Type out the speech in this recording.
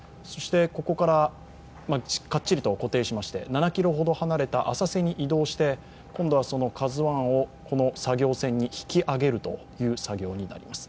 ここからかっちりと固定しまして、７ｋｍほど離れた浅瀬に移動して、今度はその「ＫＡＺＵⅠ」をこの作業船に引き揚げるという作業になります。